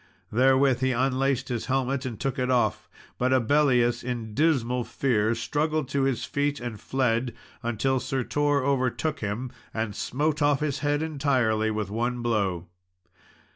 Therewith he unlaced his helmet, and took it off; but Abellius, in dismal fear, struggled to his feet, and fled, until Sir Tor overtook him, and smote off his head entirely with one blow.